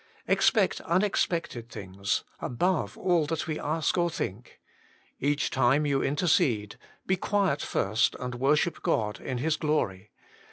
Expect unexpected things, above all that we ask or think. Each time you intercede, be quiet first and worship God in His glory.